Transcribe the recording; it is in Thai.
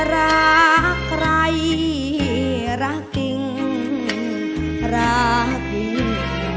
รักใครรักจริงรักจริง